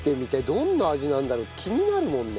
どんな味なんだろう？って気になるもんね。